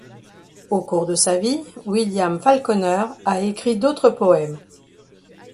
Au cours de sa vie, William Falconer a écrit d'autres poèmes.